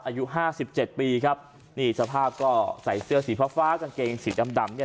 อายุห้าสิบเจ็ดปีครับนี่สภาพก็ใส่เสื้อสีฟ้าฟ้ากางเกงสีดำดำเนี่ย